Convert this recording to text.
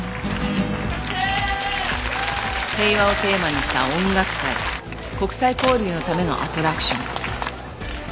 平和をテーマにした音楽会国際交流のためのアトラクション。